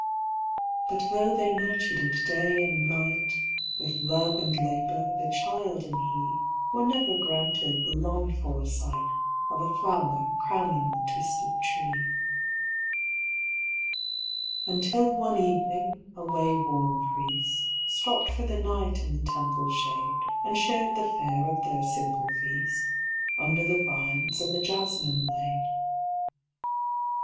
But though they nurtured it day and night. With love and labour, the child and he Were never granted the longed for sight Of a flower crowning the twisted tree. Until one evening a wayworn Priest Stopped for the night in the Temple shade And shared the fare of their simple feast Under the vines and the jasmin laid.